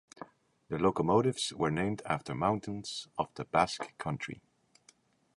The locomotives were named after mountains of the Basque Country.